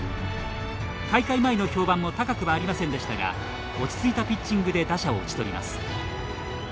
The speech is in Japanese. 大会前の評判も高くはありませんでしたが落ち着いたピッチングで打者を打ち取ります。